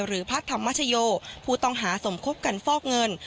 พระธรรมชโยผู้ต้องหาสมคบกันฟอกเงิน